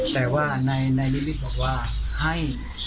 แต่ว่าในลิฟท์บอกว่าให้